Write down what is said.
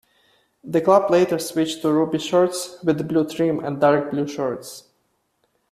The club later switched to ruby shirts with blue trim and dark blue shorts.